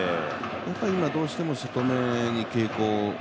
今、どうしても外めに傾向が。